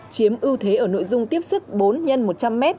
chiếm ưu thế ở nội dung tiếp sức bốn x một trăm linh m